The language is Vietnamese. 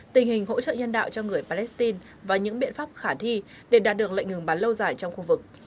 tình hình hỗ trợ nhân đạo cho người palestine và những biện pháp khả thi để đạt được lệnh ngừng bắn lâu dài trong khu vực